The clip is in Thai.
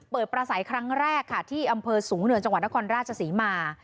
เปิดปลาสายครั้งแรกค่ะที่อำเภอสูงเหนือจังหวัดนครราชสีมา